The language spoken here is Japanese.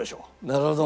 なるほど。